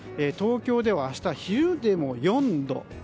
東京では明日、昼でも４度。